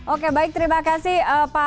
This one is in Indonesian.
oke baik terima kasih pak